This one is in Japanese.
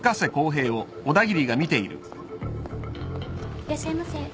いらっしゃいませ。